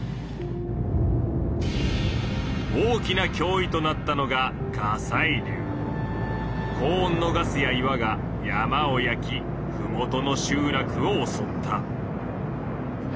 大きな脅威となったのが高温のガスや岩が山を焼きふもとの集落をおそった。